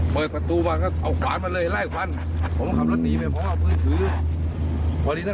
ปลุกปลุกเขียนปืน